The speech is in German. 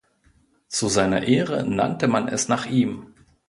Zu seiner Ehre nannte man es nach ihm.